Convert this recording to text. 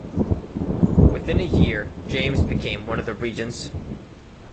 Within a year James became one of the regents.